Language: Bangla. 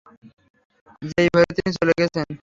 যেই ভোরে তিনি চলে গেছেন।